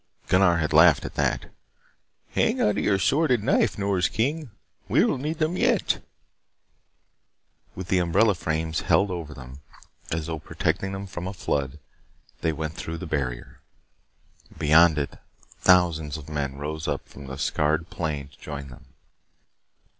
Gunnar had laughed at that. "Hang on to your sword and knife, Nors King. We will need them yet." With the umbrella frames held over them, as though protecting them from a flood, they went through the barrier. Beyond it, thousands of men rose up from the scarred plain to join them.